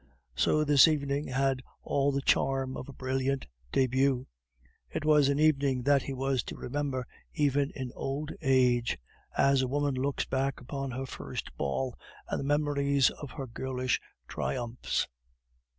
So this evening had all the charm of a brilliant debut; it was an evening that he was to remember even in old age, as a woman looks back upon her first ball and the memories of her girlish triumphs.